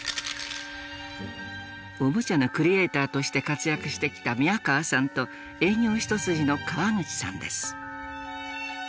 おもちゃのクリエーターとして活躍してきた宮河さんと営業一筋の川口さんです。